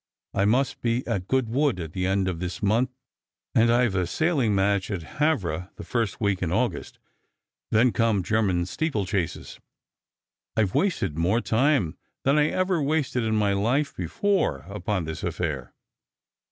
I must be at Goodwood at the end of this month, and I've a sailing match at Havre the first week in August ; then come German steeplechases. I've wasted more time than I ever wasted in my life before upon this affair."